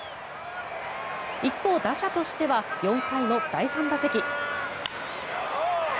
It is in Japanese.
一方、打者としては４回の第３打席。